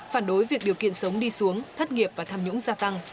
phản đối việc điều kiện sống đi xuống thất nghiệp và tham nhũng gia tăng